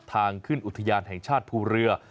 ทางขึ้นอุทยานแห่งชาติภูเรือ